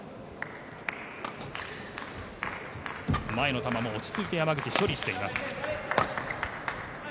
前の球も落ち着いて山口、処理しています。